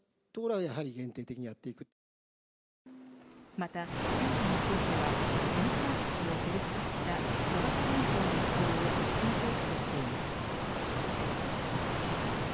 また店舗については事務サービスをセルフ化した小型店舗への移行を進めていくとしています。